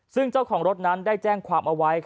ซึ่งเจ้าของรถนั้นได้แจ้งความเอาไว้